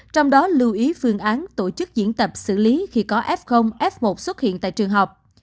trong đó lưu ý phương án tổ chức diễn tập xử lý khi có f f một xuất hiện tại trường học